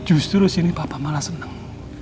justru sini papa malah seneng